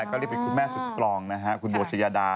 ก็รีบไปคุณแม่สุดสกรองนะฮะคุณโบชะยาดา